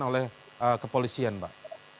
oleh kepolisian pak